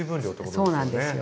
そうなんですよ。